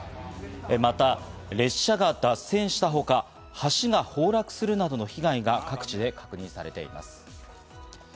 また列車が脱線したほか、橋が崩落するなどの被害が各地で確認されています。